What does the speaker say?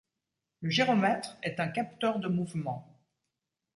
Le gyromètre est un capteur de mouvement.